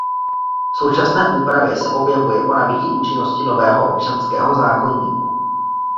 V současné úpravě se objevuje po nabytí účinnosti nového občanského zákoníku.